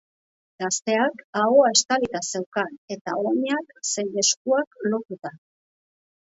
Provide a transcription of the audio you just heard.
Gazteak ahoa estalita zeukan, eta oinak zein eskuak lotuta.